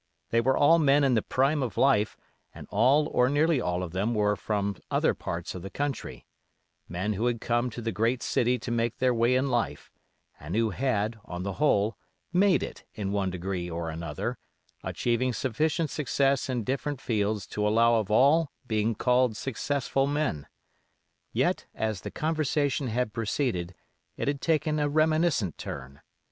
They were all men in the prime of life, and all or nearly all of them were from other parts of the country; men who had come to the great city to make their way in life, and who had, on the whole, made it in one degree or another, achieving sufficient success in different fields to allow of all being called successful men. Yet, as the conversation had proceeded, it had taken a reminiscent turn.